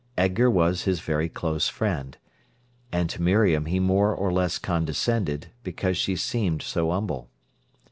Edgar was his very close friend. And to Miriam he more or less condescended, because she seemed so humble.